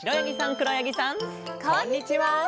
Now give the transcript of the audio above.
こんにちは！